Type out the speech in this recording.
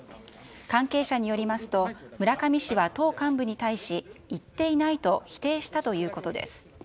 関係者によりますと、村上氏は党幹部に対し、言っていないと否定したということです。